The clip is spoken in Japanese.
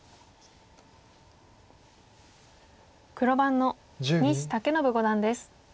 黒番の西健伸五段です。